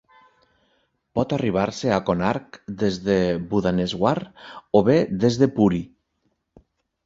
Por arribar-se a Konark des de Bhubaneswar o bé des de Puri.